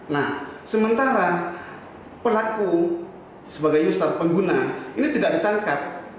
nah sementara pelaku sebagai user pengguna ini tidak ditangkap